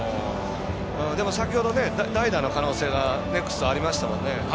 でも先ほど代打の可能性がネクスト、ありましたもんね。